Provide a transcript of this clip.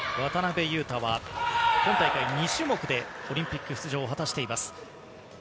渡辺勇大は今大会２種目でオリンピック出場を果たしています。